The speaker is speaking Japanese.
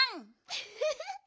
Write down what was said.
ウフフ。